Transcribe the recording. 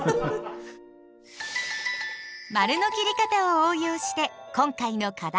丸の切り方を応用して今回の課題